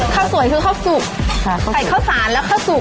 ข้าวสวยคือข้าวสุกใส่ข้าวสารแล้วข้าวสุก